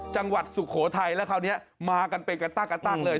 จังหวัดสุโขทัยแล้วคราวนี้มากันไปกระตากกระตากเลย